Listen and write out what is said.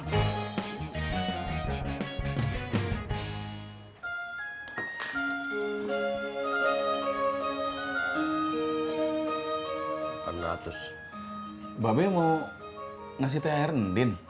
bapak mau ngasih thr ndin